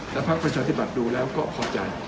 และถ้าคนชัดใช้ปรับดูแล้วก็เข้าใจ